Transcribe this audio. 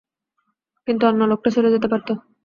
কিন্তু অন্য লোকটা সরে যেতে পারত।